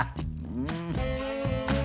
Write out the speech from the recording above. うん。